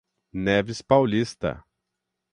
Neves Paulista